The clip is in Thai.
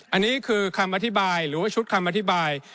อันนี้คือคำอธิบายหรือว่าชุดคำอธิบาย